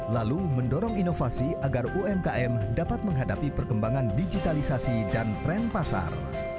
lalu mendorong inovasi agar umkm dapat menghadapi perkembangan digitalisasi dan tren pasar